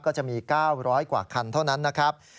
ก็จะมี๙๐๐กว่าคันเท่านั้นนะครับ